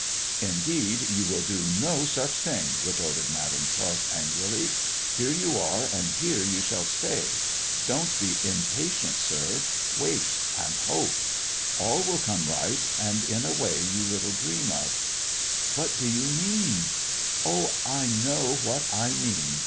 Indeed you will do no such thing," retorted Madam Tot angrily. " Here you are and here you shall stay. Don't be impatient, sir ; wait and hope. All will come right, and in a way you little dream of." " What do you mean ?"" Oh, I know what I mean.